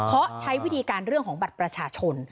เพราะใช้วิธีการเรื่องของบัตรประชาชน